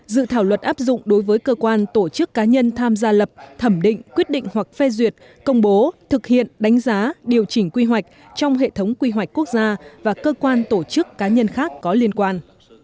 dự thảo luật áp dụng đối với cơ quan tổ chức cá nhân tham gia lập thẩm định quyết định hoặc phê duyệt công bố thực hiện đánh giá điều chỉnh quy hoạch trong hệ thống quy hoạch quốc gia và cơ quan tổ chức cá nhân khác có liên quan